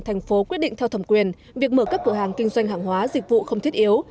thành phố quyết định theo thẩm quyền việc mở các cửa hàng kinh doanh hàng hóa dịch vụ không thiết yếu